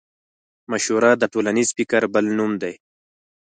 مشوره د ټولنيز فکر بل نوم دی.